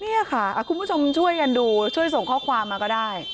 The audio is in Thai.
นี่ค่ะคุณผู้ชมช่วยกันดูช่วยส่งข้อความมาก็ได้